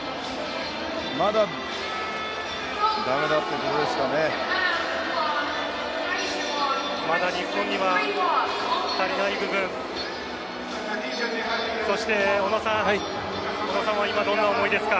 まだ駄目だということですかね。